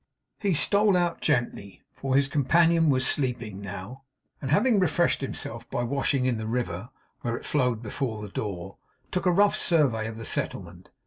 He stole out gently, for his companion was sleeping now; and having refreshed himself by washing in the river, where it snowed before the door, took a rough survey of the settlement.